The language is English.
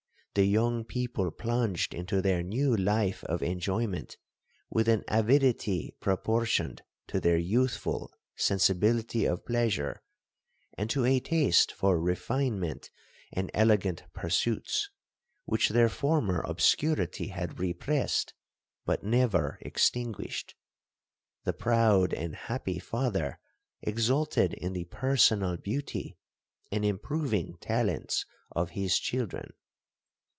The young people plunged into their new life of enjoyment with an avidity proportioned to their youthful sensibility of pleasure, and to a taste for refinement and elegant pursuits, which their former obscurity had repressed, but never extinguished. The proud and happy father exulted in the personal beauty, and improving talents of his children.